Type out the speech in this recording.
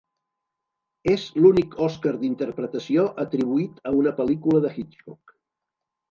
És l'únic Oscar d'interpretació atribuït a una pel·lícula de Hitchcock.